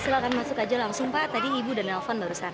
silahkan masuk aja langsung pak tadi ibu udah nelfon barusan